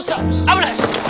危ない！